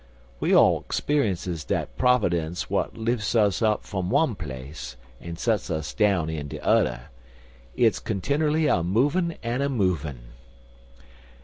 We all speunces dat p'overdence w'at lifts us up fum one place an' sets us down in de udder. Hit's continerly a movin' an a movin'."